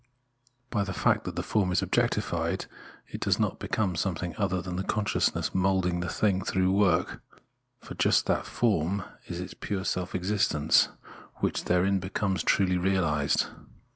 By the fact that the form is objectified, it does not become some thing other than the consciousness moulding the thing through work ; for just that form is his pure self existence, which therein becomes truly reahsed.